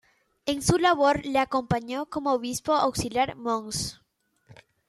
En su labor le acompañó como obispo auxiliar Mons.